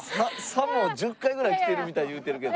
さも１０回ぐらい来てるみたいに言うてるけど。